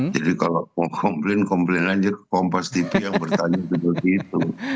jadi kalau komplain komplain aja ke kompas tv yang bertanya seperti itu